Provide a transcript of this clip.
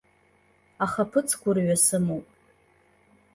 Ахаԥыц гәырҩа сымоуп.